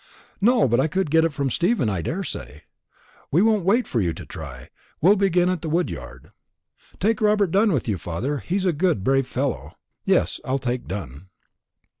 "No; but I could get it from Stephen, I daresay." "We won't wait for you to try. We'll begin at the wood yard." "Take Robert Dunn with you, father. He's a good brave fellow." "Yes, I'll take Dunn."